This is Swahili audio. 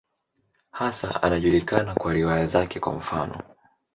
Hasa anajulikana kwa riwaya zake, kwa mfano.